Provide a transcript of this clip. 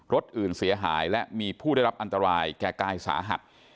รถอื่นเสียหายและมีผู้ได้รับอันตรายแก่กายสาหัส